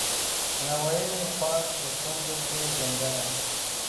ناویلی خواست په شونډوکې ګنډلی